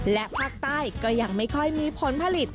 และภาคใต้ก็ยังไม่ค่อยมีผลผลิต